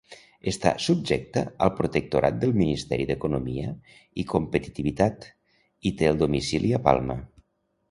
Està subjecta al protectorat del Ministeri d'Economia i Competitivitat i té el domicili a Palma.